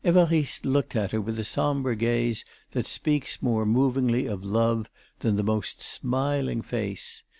Évariste looked at her with the sombre gaze that speaks more movingly of love than the most smiling face.